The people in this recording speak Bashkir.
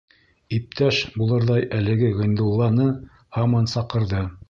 «Иптәш» булырҙай әлеге «Ғиндулла» ны һаман «саҡырҙы».